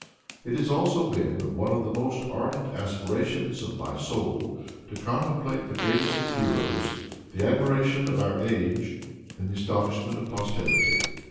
It has also been one of the most ardent aspirations of my soul to contemplate the greatest of heroes, the admiration of our age and the astonishment of posterity."